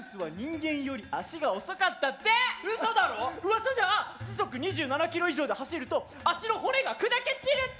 うわさじゃ時速２７キロ以上で走ると脚の骨が砕け散るって！